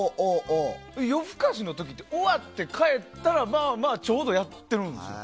「夜ふかし」の時って終わって帰ったらまあまあちょうどやってるんですよ。